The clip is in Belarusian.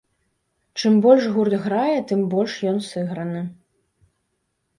Чым больш гурт грае, тым больш ён сыграны.